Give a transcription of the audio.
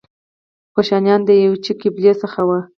کوشانیان د یوچي قبیلې څخه وو